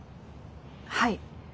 はい。